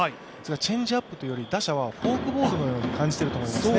チェンジアップというより打者はフォークボールのように感じていると思いますね。